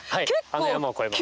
あの山を越えます。